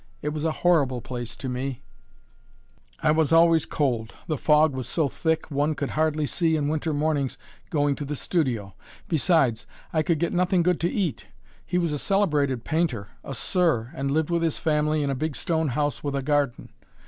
It was a horrible place to me I was always cold the fog was so thick one could hardly see in winter mornings going to the studio. Besides, I could get nothing good to eat! He was a celebrated painter, a 'Sir,' and lived with his family in a big stone house with a garden.